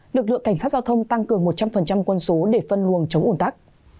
lực lượng cảnh sát giao thông tăng cường một trăm linh quân số để phân luồng chống ủn tắc